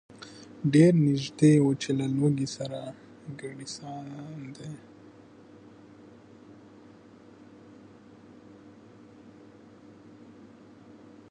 ډېر نیژدې وو چي له لوږي سر کړي ساندي